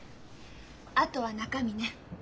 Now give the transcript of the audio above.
あとは中身ね。